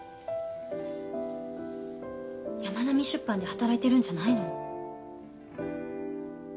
山波出版で働いてるんじゃないの？